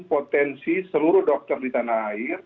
potensi seluruh dokter di tanah air